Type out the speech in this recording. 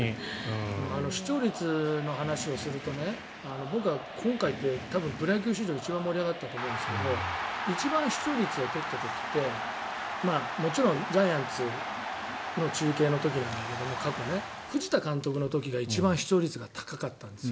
視聴率の話をすると僕は今回って、プロ野球史上一番盛り上がったと思うんですけど一番視聴率を取った時ってもちろん、過去のジャイアンツの中継の時なんだけど藤田監督の時が一番視聴率が高かったんです。